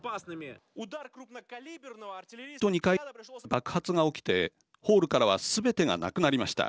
爆発が起きて、ホールからはすべてが無くなりました。